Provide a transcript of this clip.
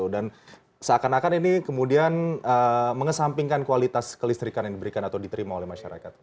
dan seakan akan ini kemudian mengesampingkan kualitas kelistrikan yang diberikan atau diterima oleh masyarakat